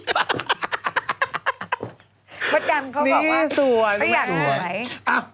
ประจำเขาบอกว่าอยากไม่สวย